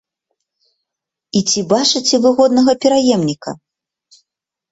І ці бачыце вы годнага пераемніка?